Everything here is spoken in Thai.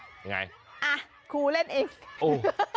ยังไงอ่ะครูเล่นเองโอ้